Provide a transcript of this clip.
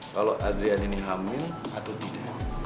kalau adrian ini hamil atau tidak